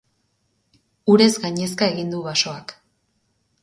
Urez gainezka egin du basoak.